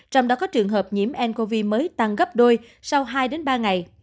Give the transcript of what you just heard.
trong đó có trường hợp nhiễm ncov mới tăng gấp đôi sau hai ba ngày